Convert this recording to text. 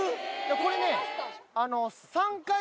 これね